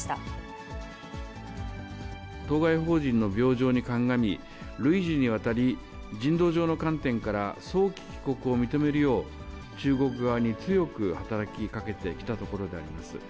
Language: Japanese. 当該邦人の病状に鑑み、累次にわたり、人道上の観点から、早期帰国を認めるよう、中国側に強く働きかけてきたところであります。